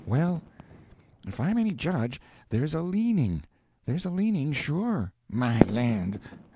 "Well, if I'm any judge, there's a leaning there's a leaning, sure." "My land!